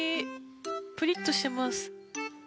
プリッとしてます。